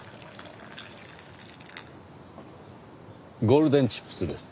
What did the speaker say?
ゴールデンチップスです。